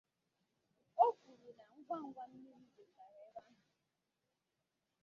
O kwuru na ngwangwa mmiri zochara n'ebe ahụ